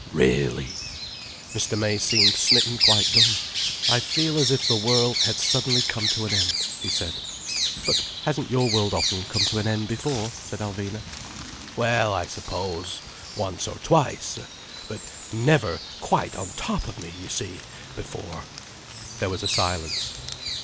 "Really!" Mr. May seemed smitten quite dumb. "I feel as if the world had suddenly come to an end," he said. "But hasn't your world often come to an end before?" said Alvina. "Well—I suppose, once or twice. But never quite on top of me, you see, before—" There was a silence.